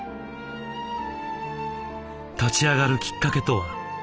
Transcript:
立ち上がるきっかけとは？